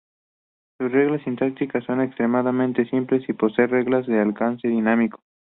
Sus reglas sintácticas son extremadamente simples y posee reglas de alcance dinámico.